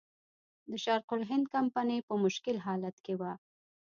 د شرق الهند کمپنۍ په مشکل حالت کې وه.